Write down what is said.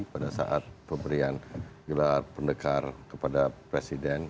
pada saat pemberian gelar pendekar kepada presiden